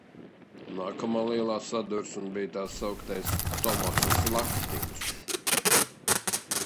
"Nākamā lielā sadursme bija tā sauktais "Tomasa slaktiņš"."